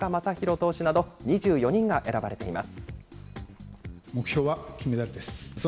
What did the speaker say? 投手など、２４人が選ばれています。